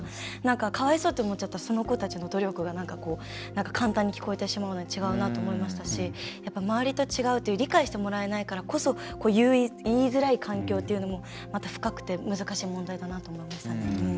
かわいそうって思っちゃったらその子たちの努力が簡単に聞こえてしまうので違うなって思いましたし周りと違うっていう理解してもらえないからこそ言いづらい環境というのもまた深くて難しい問題だなと思いましたね。